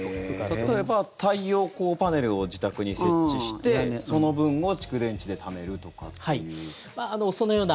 例えば太陽光パネルを自宅に設置してその分を蓄電池でためるとかという。